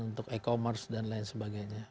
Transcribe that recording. untuk e commerce dan lain sebagainya